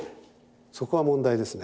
そこは問題ですね。